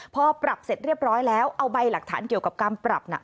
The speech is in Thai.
พอปรับเสร็จเรียบร้อยแล้วเอาใบหลักฐานเกี่ยวกับการปรับน่ะ